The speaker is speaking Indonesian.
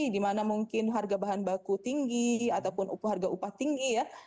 dimana mungkin harga bahan baku tinggi ataupun harga upah tinggi ya